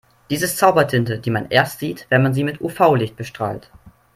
Dies ist Zaubertinte, die man erst sieht, wenn man sie mit UV-Licht bestrahlt.